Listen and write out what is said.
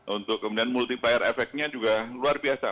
untuk kemudian multiplier efeknya juga luar biasa